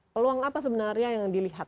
peluang apa sebenarnya yang dilihat